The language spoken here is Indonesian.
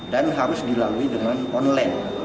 dan harus dilalui dengan online